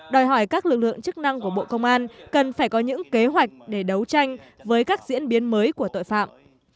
đòi hỏi các lực lượng chức năng của bộ công an cần phải có những kế hoạch để đấu tranh với các diễn biến mới của tội phạm